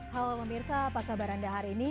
halo pemirsa apa kabar anda hari ini